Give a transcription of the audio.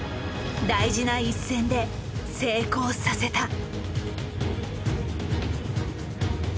大事な一戦で成功させた。